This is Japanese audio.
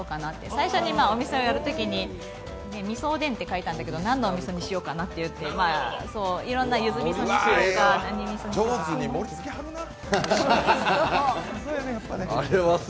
最初にお店をやるときに味噌おでんと書いたんだけど何のお店にしようかなって言っていろんなゆず味噌にしようか、上手に盛りつけはるなぁ。